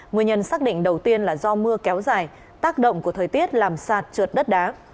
nguyên nhân xác định đầu tiên là do mưa kéo dài tác động của thời tiết làm sạt trượt đất đá